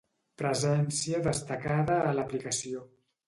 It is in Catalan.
Presència destacada a l'aplicació